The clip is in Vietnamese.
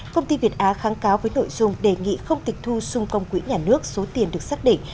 công ty việt á kháng cáo với nội dung đề nghị không tịch thu xung công quỹ nhà nước số tiền được xác định